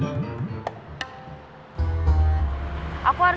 perlu aku antar